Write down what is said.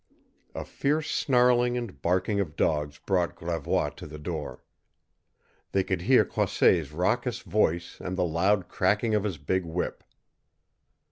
A fierce snarling and barking of dogs brought Gravois to the door. They could hear Croisset's raucous voice and the loud cracking of his big whip.